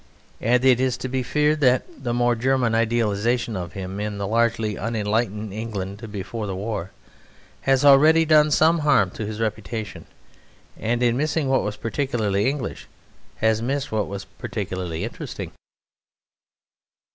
And it is to be feared that the more German idealisation of him, in the largely unenlightened England before the war, has already done some harm to his reputation, and in missing what was particularly English has missed what was particularly interesting.